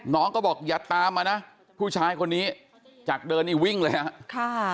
น้องก็บอกอย่าตามมานะผู้ชายคนนี้จากเดินนี่วิ่งเลยครับ